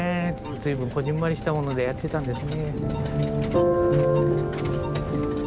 随分こぢんまりしたものでやってたんですね。